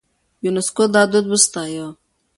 يونيسکو دا دود وستايه.